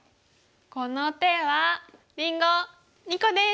この手はりんご２個です！